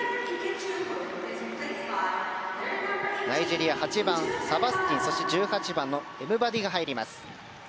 ナイジェリアは８番、サバスティンそして１８番のエムバディが入ります。